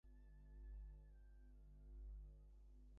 আমাদের লাখ লাখ মানুষের বুকে আশা সঞ্চারের সংগ্রামে আমরা বিজয়ী হয়েছি।